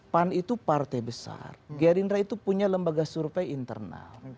pan itu partai besar gerindra itu punya lembaga survei internal